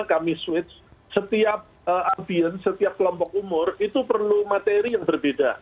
kami switch setiap ambience setiap kelompok umur itu perlu materi yang berbeda